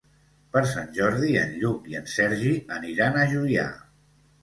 Per Sant Jordi en Lluc i en Sergi aniran a Juià.